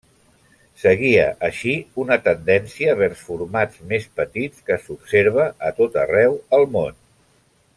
Seguia així una tendència vers formats més petits que s'observa a tot arreu al món.